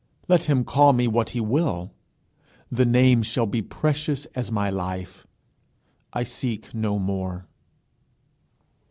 Let him call me what he will. The name shall be precious as my life. I seek no more."